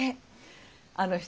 あの人